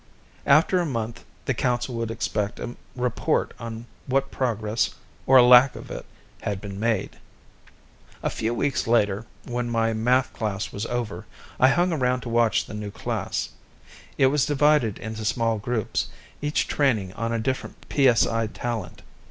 After a month, the council would expect a report on what progress or lack of it had been made. A few weeks later, when my math class was over, I hung around to watch the new class. It was divided into small groups, each training on a different psi talent.